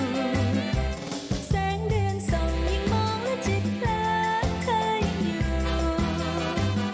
ลุกเลยนะครับลุกเลยนะครับ